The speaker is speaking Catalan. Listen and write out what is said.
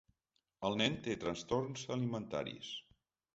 El nen té trastorns alimentaris.